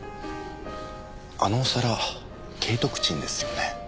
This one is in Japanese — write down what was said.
あのお皿景徳鎮ですよね？